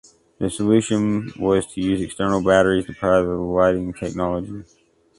The solution was to use external batteries to power the lighting technology.